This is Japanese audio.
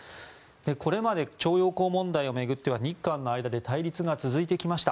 これまで徴用工問題を巡っては日韓の間で対立が続いてきました。